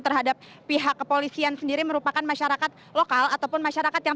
terhadap pihak kepolisian sendiri merupakan masyarakat lokal ataupun masyarakat yang